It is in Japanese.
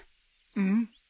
うん？